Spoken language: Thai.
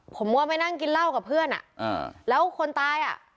ผมก็ไปนั่งกินเหล้ากับเพื่อนอ่ะอ่าแล้วคนตายอ่ะ